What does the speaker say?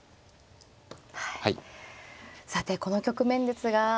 はいさてこの局面ですが。